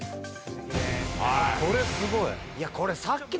これすごい。